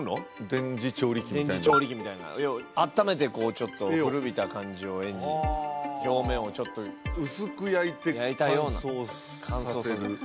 電磁調理器みたいな電磁調理器みたいなあっためてこうちょっと古びた感じを絵に表面をちょっと薄く焼いて乾燥させる？